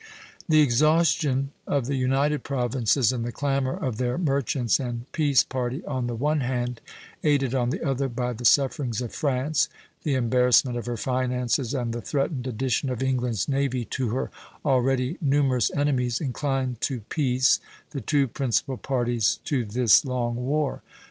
The exhaustion of the United Provinces and the clamor of their merchants and peace party on the one hand, aided on the other by the sufferings of France, the embarrassment of her finances, and the threatened addition of England's navy to her already numerous enemies, inclined to peace the two principal parties to this long war.